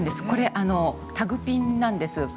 これ、タグピンなんです。